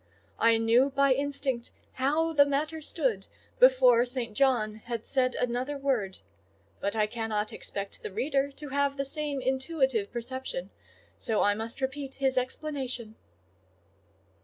I knew, by instinct, how the matter stood, before St. John had said another word; but I cannot expect the reader to have the same intuitive perception, so I must repeat his explanation.